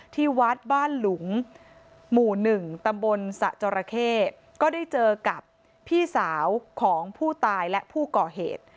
ที่วัดบ้านหลุงหมู่๑ตำบลสะจราเข้ก็ได้เจอกับพี่สาวของผู้ตายและผู้ก่อเหตุ